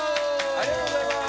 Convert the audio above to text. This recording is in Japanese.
ありがとうございます！